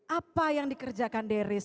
apa yang dikerjakan deris